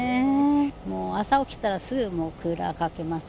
もう朝起きたらすぐもう、クーラーかけます。